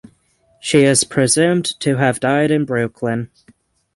She is presumed to have died in Brooklyn.